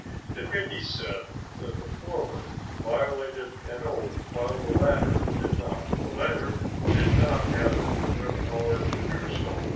It may be said that the former violated an oath, while the latter did not; the latter did not have it in their power to do so.